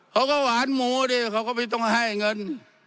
เขาก็หวานหมูดิเขาก็ไม่ต้องให้เงิน